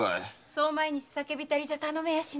そう毎日酒びたりじゃ頼めやしないよ。